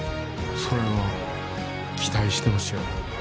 それは期待してますよ